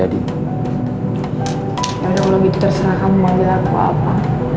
ya udah kalau begitu terserah kamu panggil aku apa